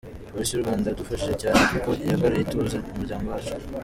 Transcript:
Polisi y’u Rwanda yadufashije cyane kuko yagaruye ituze mu muryango wacu.